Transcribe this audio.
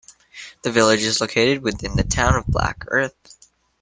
The village is located within the Town of Black Earth.